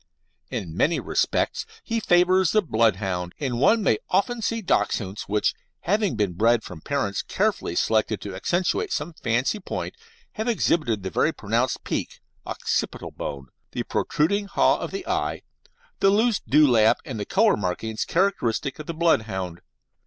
In many respects he favours the Bloodhound, and one may often see Dachshunds which, having been bred from parents carefully selected to accentuate some fancy point, have exhibited the very pronounced "peak" (occipital bone), the protruding haw of the eye, the loose dewlap and the colour markings characteristic of the Bloodhound.